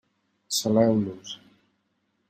Saleu-los.